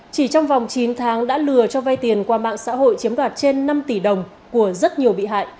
chỉ trong vòng chín tháng đã lừa cho vay tiền qua mạng xã hội chiếm đoạt trên năm tỷ đồng của rất nhiều bị hại